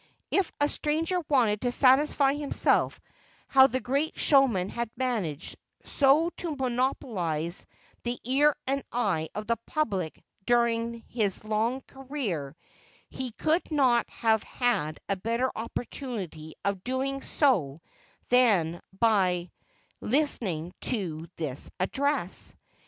If a stranger wanted to satisfy himself how the great showman had managed so to monopolize the ear and eye of the public during his long career, he could not have had a better opportunity of doing so than by listening to this address.